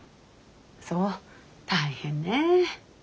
そう大変ね。